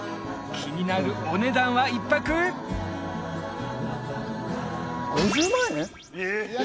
気になるお値段は１泊５０万円！？